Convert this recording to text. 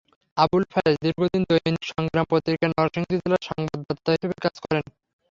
আবুল ফায়েজ দীর্ঘদিন দৈনিক সংগ্রাম পত্রিকার নরসিংদী জেলা সংবাদদাতা হিসেবে কাজ করেন।